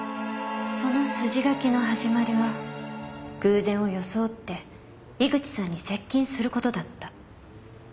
その筋書きの始まりは偶然を装って井口さんに接近することだった。